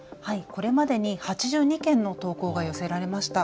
これまでに８２件の投稿が寄せられました。